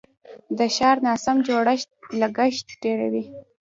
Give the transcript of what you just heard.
د ښار ناسم جوړښت لګښت ډیروي.